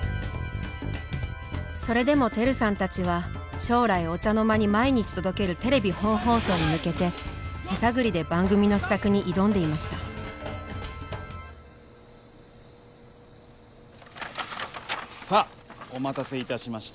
それでも輝さんたちは将来お茶の間に毎日届けるテレビ本放送に向けて手探りで番組の試作に挑んでいましたさあお待たせいたしました。